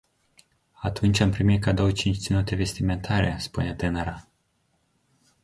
Atunci am primit cadou cinci ținute vestimentare, spune tânăra.